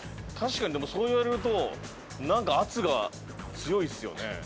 確かにでもそう言われると何か圧が強いっすよね